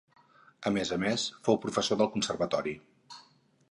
A més a més fou professor del conservatori.